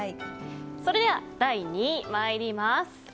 それでは、第２位参ります。